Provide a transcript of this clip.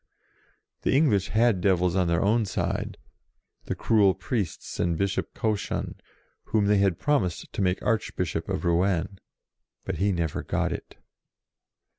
The English had devils on their own side, the cruel priests and Bishop Cauchon, whom they had promised to make Arch bishop of Rouen. But he never got it.